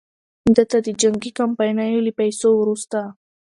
ده ته د جنګي کمپنیو له پیسو وروسته.